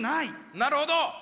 なるほど！